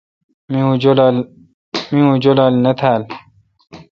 می اوں جولال نہ تھال۔